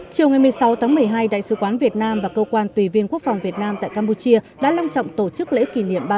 chiều ngày một mươi sáu tháng một mươi hai đại sứ quán việt nam và cơ quan tùy viên quốc phòng việt nam tại campuchia đã long trọng tổ chức lễ kỷ niệm